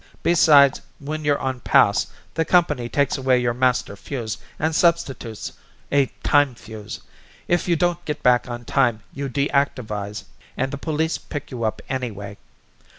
Besides, when you're on pass the company takes away your master fuse and substitutes a time fuse; if you don't get back on time, you deactivize and the police pick you up anyway.